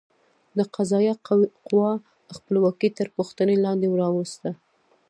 د قضایه قوې خپلواکي تر پوښتنې لاندې راوسته.